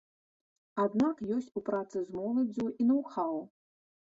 Аднак ёсць у працы з моладдзю і ноў-хаў.